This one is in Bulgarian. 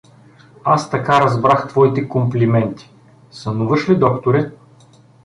Аз така разбрах твоите комплименти… — Сънуваш ли, докторе?